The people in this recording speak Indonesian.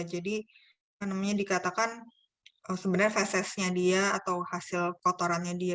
jadi namanya dikatakan sebenarnya fesesnya dia atau hasil kotorannya dia